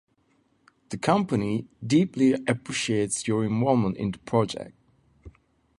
The company deeply appreciates your involvement in the project.